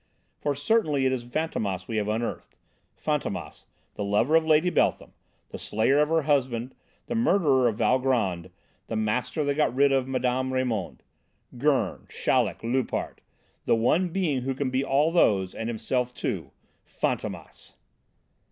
For certainly it is Fantômas we have unearthed: Fantômas, the lover of Lady Beltham, the slayer of her husband, the murderer of Valgrand, the master that got rid of Mme. Raymond! Gurn, Chaleck, Loupart. The one being who can be all those and himself too Fantômas."